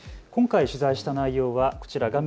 今回取材した内容はこちら画面